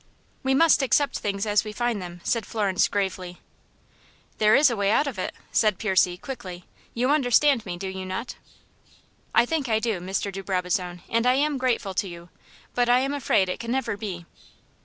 "We must accept things as we find them," said Florence, gravely. "There is a way out of it," said Percy, quickly. "You understand me, do you not?" "I think I do, Mr. de Brabazon, and I am grateful to you, but I am afraid it can never be."